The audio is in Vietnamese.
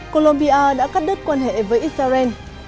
colombia đã cắt đứt quan hệ với israel